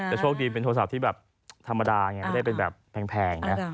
แต่โชคดีเป็นโทรศัพท์ที่แบบธรรมดาไงไม่ได้เป็นแบบแพงนะ